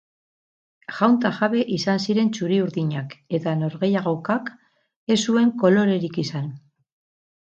Jaun eta jabe izan ziren txuri-urdinak, eta norgehiagokak ez zuen kolorerik izan.